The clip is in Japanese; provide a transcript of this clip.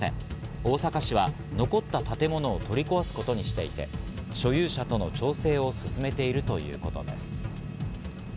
大阪市は残った建物を取り壊すことにしていて所有者との調整を進めているということです。